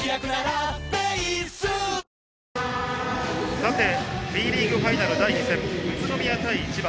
さて、Ｂリーグファイナル第２戦、宇都宮対千葉。